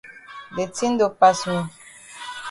De tin don pass me.